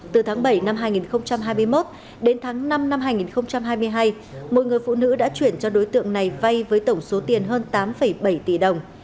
từ tháng bảy năm hai nghìn hai mươi một đến tháng năm năm hai nghìn hai mươi hai mỗi người phụ nữ đã chuyển cho đối tượng này vay với tổng số tiền hơn tám bảy tỷ đồng